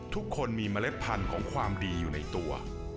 ทุกคนมีเมล็ดพันธุ์ของความดีอยู่ในตัว